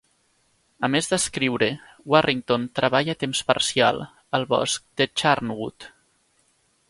A més d'escriure, Warrington treballa a temps parcial al bosc de Charnwood.